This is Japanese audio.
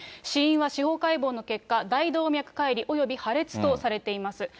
死因は司法解剖の結果、大動脈解離および破裂とされています。